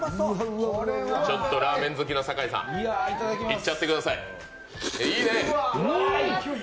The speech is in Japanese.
ちょっとラーメン好きの酒井さん、いっちゃってください。